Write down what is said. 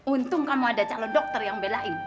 untung kamu ada calon dokter yang belain